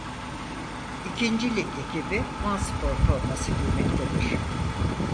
İkinci Lig ekibi Vanspor forması giymektedir.